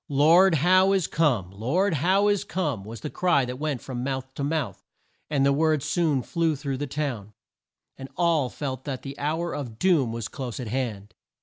"Lord Howe is come! Lord Howe is come!" was the cry that went from mouth to mouth, and the word soon flew through the town, and all felt that the hour of doom was close at hand.